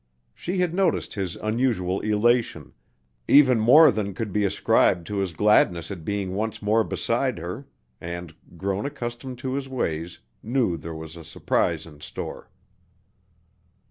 She had noticed his unusual elation even more than could be ascribed to his gladness at being once more beside her, and, grown accustomed to his ways, knew there was a surprise in store.